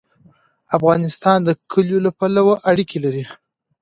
افغانستان د کلیو له پلوه اړیکې لري.